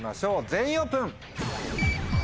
全員オープン！